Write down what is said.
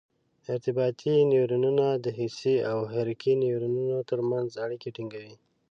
ارتباطي نیورونونه د حسي او حرکي نیورونونو تر منځ اړیکه ټینګوي.